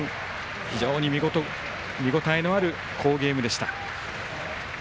非常に見応えのある好ゲームでした。